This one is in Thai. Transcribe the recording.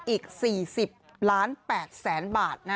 อีก๔๐ล้าน๘แสนบาท